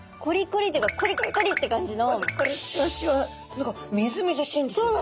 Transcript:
何かみずみずしいんですよね。